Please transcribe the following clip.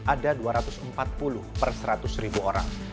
ada dua ratus empat puluh per seratus ribu orang